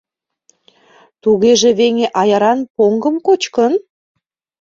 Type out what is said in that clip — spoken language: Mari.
Тугеже веҥе аяран поҥгым кочкын...